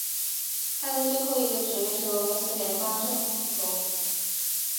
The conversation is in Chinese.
他的最后一个职位是俄罗斯联邦政府副总理。